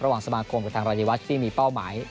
ระหว่างสมาคมกับทางราชิวัฒน์ที่มีเป้าหมาย